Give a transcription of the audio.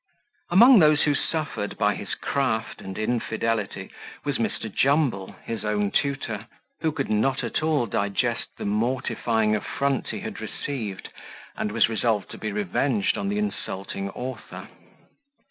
Among those who suffered by his craft and infidelity was Mr. Jumble, his own tutor, who could not at all digest the mortifying affront he had received, and was resolved to be revenged on the insulting author.